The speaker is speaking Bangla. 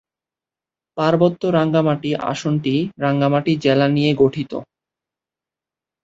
পার্বত্য রাঙ্গামাটি আসনটি রাঙ্গামাটি জেলা নিয়ে গঠিত।